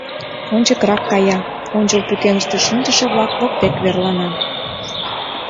Ончыкрак кая, ончыл пӱкеныште шинчыше-влак воктек верлана.